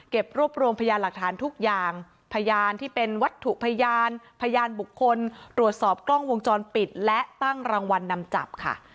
รวบรวมพยานหลักฐานทุกอย่างพยานที่เป็นวัตถุพยานพยานบุคคลตรวจสอบกล้องวงจรปิดและตั้งรางวัลนำจับค่ะ